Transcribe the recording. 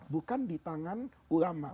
bukan di tangan ulama